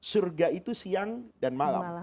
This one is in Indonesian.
surga itu siang dan malam